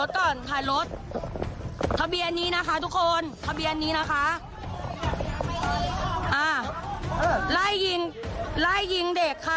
ไล่ทะเบียนนี้นะคะทุกคนทะเบียนนี้นะคะอ่าไล่ยิงไล่ยิงเด็กค่ะ